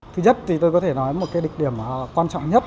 thứ nhất thì tôi có thể nói một cái định điểm quan trọng nhất